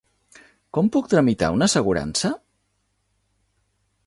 Com puc tramitar una assegurança?